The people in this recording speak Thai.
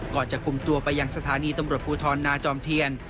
จะคุมตัวไปยังสถานีตำรวจภูทรนาจอมเทียน